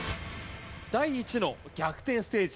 第１の逆転ステージ